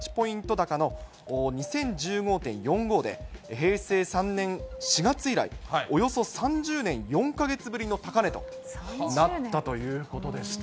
高の２０１５．４５で、平成３年４月以来、およそ３０年４か月ぶりの高値となったということでした。